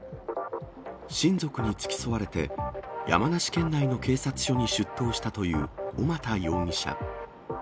親族に付き添われて、山梨県内の警察署に出頭したという小俣容疑者。